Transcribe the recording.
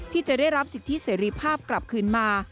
ที่จะได้รับสิทธิเสรีภาพกลับคืนมา